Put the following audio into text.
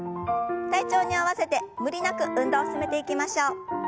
体調に合わせて無理なく運動を進めていきましょう。